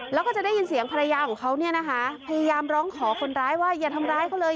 แล้วก็จะได้ยินเสียงภรรยาของเขาเนี่ยนะคะพยายามร้องขอคนร้ายว่าอย่าทำร้ายเขาเลย